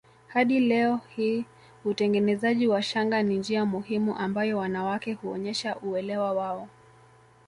Hadi leo hii utengenezaji wa shanga ni njia muhimu ambayo wanawake huonyesha uelewa wao